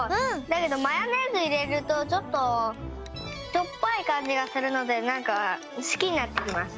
だけどマヨネーズいれるとちょっとしょっぱいかんじがするのでなんかすきになってきます。